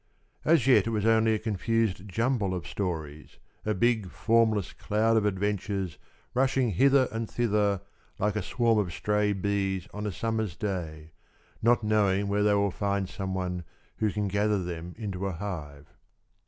As yet it was only a confused jumble of stories a big, formless cloud of adventures rushing hither and thither like a swarm of stray bees on a summer's day, not knowing where they will find some one who can gather them into a hive.